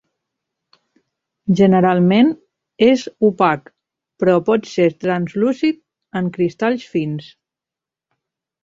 Generalment és opac però pot ser translúcid en cristalls fins.